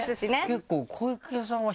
結構。